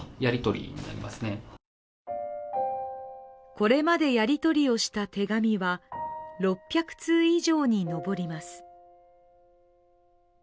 これまでやり取りをした手紙は６００通以上に上ります。